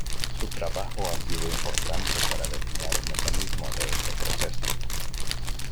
Su trabajo ha sido importante para delinear el mecanismo de este proceso.